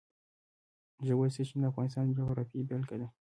ژورې سرچینې د افغانستان د جغرافیې بېلګه ده.